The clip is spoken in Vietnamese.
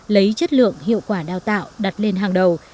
lấy chất lượng hiệu quả đào tạo đặt lên hàng đầu